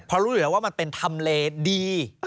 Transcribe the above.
เพราะรู้สึกว่ามันเป็นทำเลดี